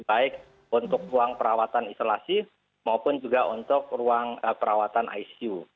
baik untuk ruang perawatan isolasi maupun juga untuk ruang perawatan icu